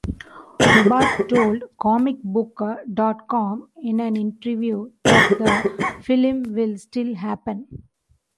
O'Barr told comicbook dot com in an interview that the film will still happen.